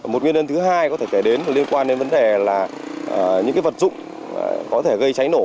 một nguyên nhân thứ hai có thể kể đến liên quan đến vấn đề là những vật dụng có thể gây cháy nổ